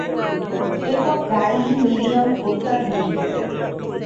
এরপর প্রায়ই মিরিয়াম হত্যার হুমকি পেতেন।